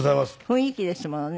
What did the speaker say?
雰囲気ですものね。